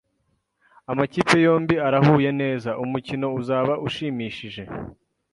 Amakipe yombi arahuye neza. Umukino uzaba ushimishije.